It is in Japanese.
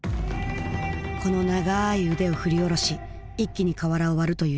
この長い腕を振り下ろし一気に瓦を割るという仕組み。